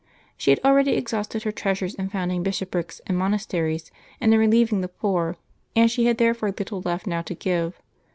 She had already exhausted her treasures in found ing bishoprics and monasteries, and in relieving the poor, and she had therefore little left now to give.